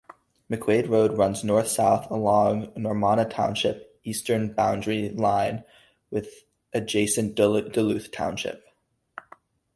McQuade Road runs north-south along Normanna Township's eastern boundary line with adjacent Duluth Township.